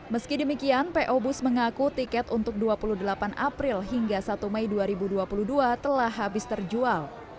meski demikian po bus mengaku tiket untuk dua puluh delapan april hingga satu mei dua ribu dua puluh dua telah habis terjual